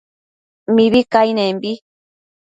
mibi cainenbi